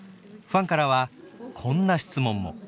ファンからはこんな質問も。